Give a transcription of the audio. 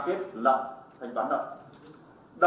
thế chấp vào trong thời hạn